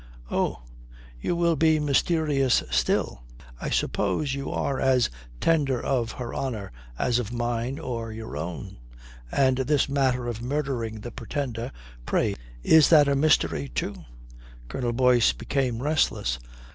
"Oh, you will be mysterious still. I suppose you are as tender of her honour as of mine or your own. And this matter of murdering the Pretender, pray, is that a mystery too?" Colonel Boyce became restless.